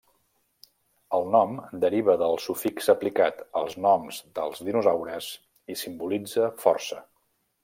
El nom deriva del sufix aplicat als noms dels dinosaures, i simbolitza força.